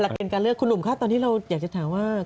เกณฑ์การเลือกคุณหนุ่มคะตอนนี้เราอยากจะถามว่า